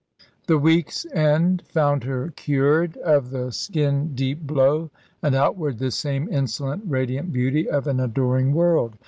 The week's end found her cured of the skin deep blow, and outwardly the same insolent, radiant beauty of an adoring world.